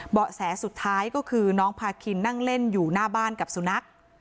แสสุดท้ายก็คือน้องพาคินนั่งเล่นอยู่หน้าบ้านกับสุนัข